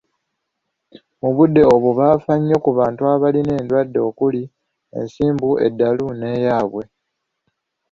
Mu budde obwo baafa nnyo ku bantu abalina endwadde okuli; ensimbu, eddalu, n'eyaabwe